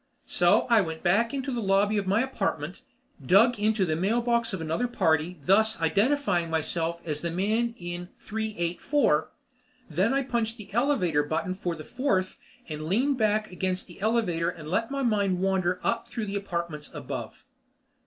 So I went back into the lobby of my apartment and dug into the mailbox of another party, thus identifying myself as the man in three eight four. Then I punched the elevator button for the Fourth and leaned back against the elevator and let my mind wander up through the apartments above.